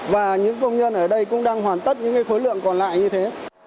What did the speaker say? và những công nhân ở đây cũng đang hoàn tất những khối lượng còn lại như thế